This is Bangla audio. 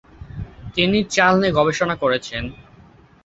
তিনি চাল নিয়ে গবেষণা করেছেন।